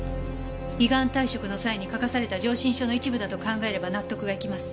依願退職の際に書かされた上申書の一部だと考えれば納得がいきます。